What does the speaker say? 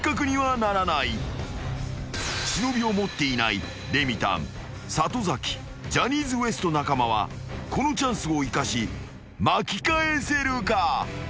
［忍を持っていないレミたん里崎ジャニーズＷＥＳＴ中間はこのチャンスを生かし巻き返せるか？］